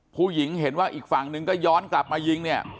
เห็นว่าอีกฝั่งนึงก็ย้อนกลับมายิงเนี่ย